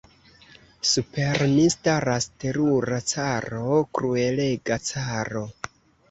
Super ni staras terura caro, kruelega caro.